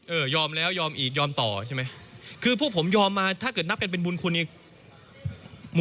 เออยอมแล้วยอมอีกยอมต่อใช่ไหม